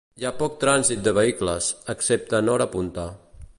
Hi ha poc trànsit de vehicles, excepte en hora punta.